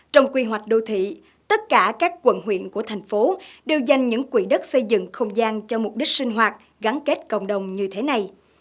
trong quy hoạch đô thị tất cả các quận huyện của thành phố đều dành những quỹ đất xây dựng không gian cho mục đích sinh hoạt gắn kết cộng đồng như thế này